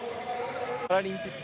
パラリンピック